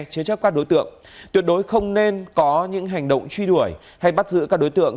chế chấp các đối tượng tuyệt đối không nên có những hành động truy đuổi hay bắt giữ các đối tượng